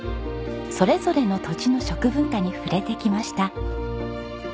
それぞれの土地の食文化に触れてきました。